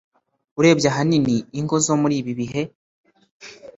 urebye ahanini ingo zo muri ibi bihe